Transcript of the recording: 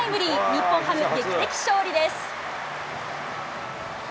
日本ハム、劇的勝利です。